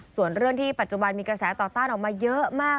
ส่วนเรื่องที่ปัจจุบันมีกระแสต่อต้านออกมาเยอะมาก